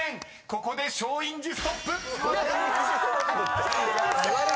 ここで松陰寺ストップ］やった！